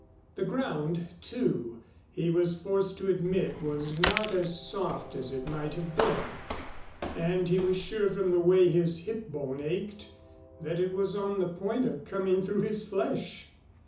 The ground, too, he was forced to admit was not as soft as it might have been, and he was sure from the way his hip bone ached, that it was on the point of coming through his flesh.